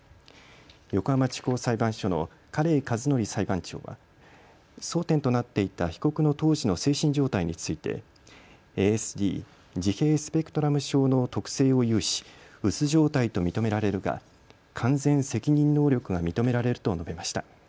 横浜地方裁判所の家令和典裁判長は、争点となっていた被告の当時の精神状態についてＡＳＤ・自閉スペクトラム症の特性を有し、うつ状態と認められるが完全責任能力が認められると述べました。